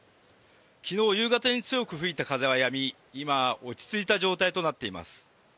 昨日夕方に強く吹いた風はやみ今は落ち着いた状態となっています。